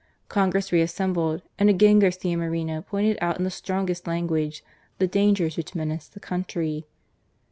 Congress reassembled, and again Garcia Moreno pointed out in the strongest language the dangers which menaced the country.